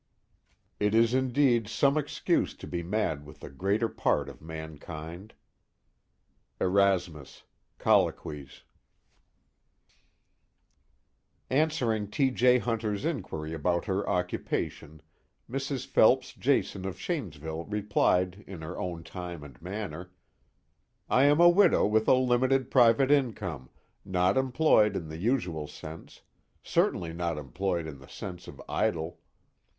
5 It is indeed some Excuse to be mad with the greater Part of Mankind. ERASMUS, Colloquies I Answering T. J. Hunter's inquiry about her occupation, Mrs. Phelps Jason of Shanesville replied in her own time and manner: "I am a widow with a limited private income, not employed in the usual sense, certainly not unemployed in the sense of idle.